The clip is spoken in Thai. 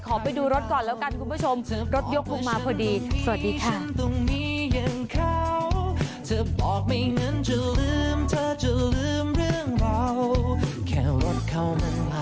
ไปดูรถก่อนแล้วกันคุณผู้ชมรถยกลงมาพอดีสวัสดีค่ะ